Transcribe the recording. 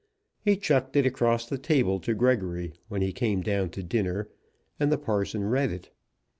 He chucked it across the table to Gregory when he came down to dinner, and the parson read it.